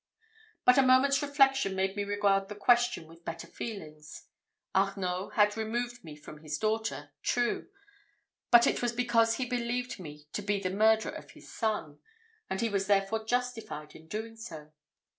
But a moment's reflection made me regard the question with better feelings; Arnault had removed me from his daughter true! but it was because he believed me to be the murderer of his son; and he was therefore justified in doing so.